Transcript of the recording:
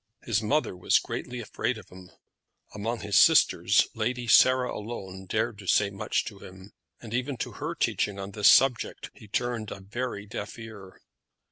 His mother was greatly afraid of him. Among his sisters Lady Sarah alone dared to say much to him; and even to her teaching on this subject he turned a very deaf ear.